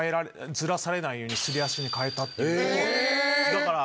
だから。